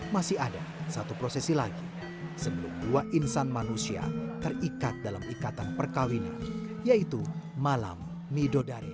masih ada satu prosesi lagi sebelum dua insan manusia terikat dalam ikatan perkawinan yaitu malam midodare